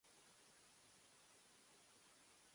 千葉県鋸南町